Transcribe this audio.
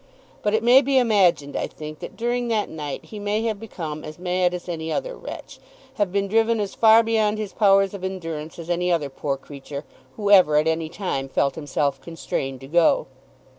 But it may be imagined, I think, that during that night he may have become as mad as any other wretch, have been driven as far beyond his powers of endurance as any other poor creature who ever at any time felt himself constrained to go.